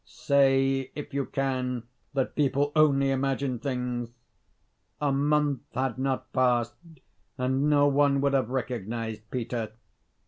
Say, if you can, that people only imagine things! A month had not passed, and no one would have recognised Peter.